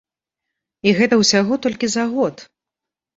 І гэта ўсяго толькі за год!